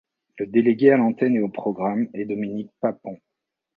Le délégué à l’antenne et aux programmes est Dominique Papon.